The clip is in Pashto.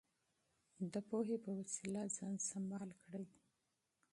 د پوهې په وسله ځان سمبال کړئ.